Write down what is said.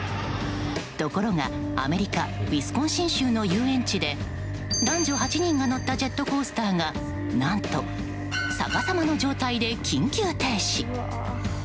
ところがアメリカウィスコンシン州の遊園地で男女８人が乗ったジェットコースターが何と逆さまの状態で緊急停止。